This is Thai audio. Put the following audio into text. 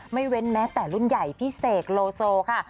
เว้นแม้แต่รุ่นใหญ่พี่เสกโลโซค่ะ